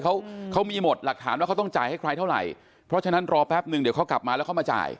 เขาเขามีหมดหลักฐานว่าเขาต้องจ่ายให้ใครเท่าไหร่เพราะฉะนั้นรอแป๊บนึงเดี๋ยวเขากลับมาแล้วเขามาจ่าย